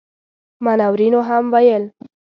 منورینو هم ویل.